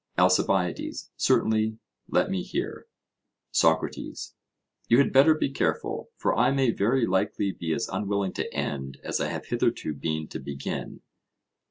ALCIBIADES: Certainly, let me hear. SOCRATES: You had better be careful, for I may very likely be as unwilling to end as I have hitherto been to begin.